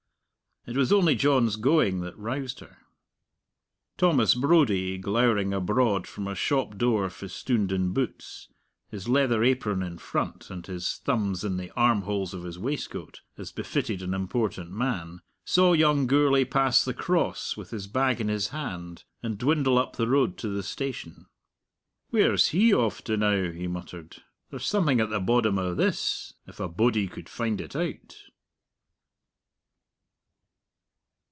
It was only John's going that roused her. Thomas Brodie, glowering abroad from a shop door festooned in boots, his leather apron in front, and his thumbs in the armholes of his waistcoat, as befitted an important man, saw young Gourlay pass the Cross with his bag in his hand, and dwindle up the road to the station. "Where's he off to now?" he muttered. "There's something at the boddom o' this, if a body could find it out!"